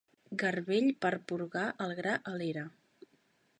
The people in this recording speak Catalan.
Garbell per porgar el gra a l'era.